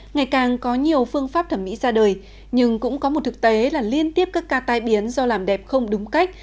ngày càng có nhiều phương pháp thẩm mỹ ra đời nhưng cũng có một thực tế là liên tiếp các ca tai biến do làm đẹp không đúng cách